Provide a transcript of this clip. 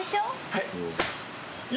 はい。